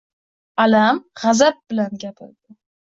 Alam-gʻazab bilan gapirdi